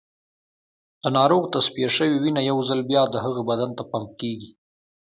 د ناروغ تصفیه شوې وینه یو ځل بیا د هغه بدن ته پمپ کېږي.